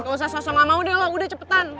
gak usah sosok gak mau deh lo udah cepetan